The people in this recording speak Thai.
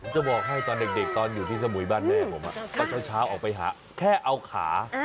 จะบอกให้ตอนเด็กตอนอยู่ที่สมุยบ้านแม่ผมตอนเช้าออกไปหาแค่เอาขา